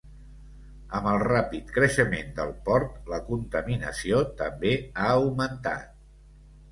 Amb el ràpid creixement del port, la contaminació també ha augmentat.